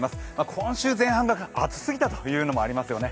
今週前半が暑すぎたというのもありますよね。